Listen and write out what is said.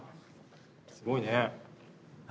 すごいね。